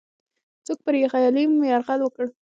څوک پر غلیم یرغل وکړ؟